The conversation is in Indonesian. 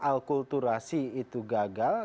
alkulturasi itu gagal